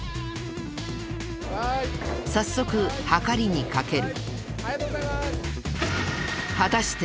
早速はかりにかける。